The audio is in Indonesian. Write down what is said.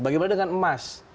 bagaimana dengan emas